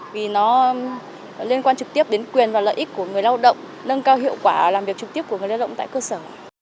vì nó liên quan trực tiếp đến quyền và lợi ích của người lao động nâng cao hiệu quả làm việc trực tiếp của người lao động tại cơ sở